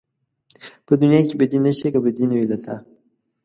په دنيا کې بدي نشته که بدي نه وي له تا